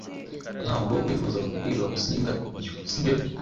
ntabwo wifuzaga kubwira musinga ibyo, sibyo